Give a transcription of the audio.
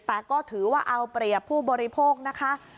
แต่ก็ถือว่าเอาเปรียบผู้บริโภคนะคะ